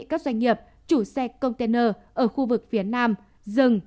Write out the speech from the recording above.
các doanh nghiệp chủ xe container ở khu vực phía nam dừng